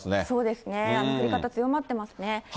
そうですね、降り方強まってますね。